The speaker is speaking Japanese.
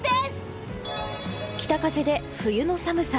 北風で冬の寒さ。